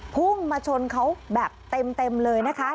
พุ่งมาชนเขาแบบเต็มเลยนะคะ